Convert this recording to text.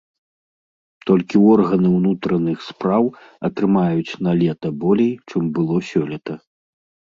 Толькі органы ўнутраных справаў атрымаюць налета болей, чым было сёлета.